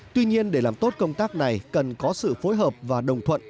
tuy nhiên để làm tốt công tác này cần có sự phối hợp và đồng thuận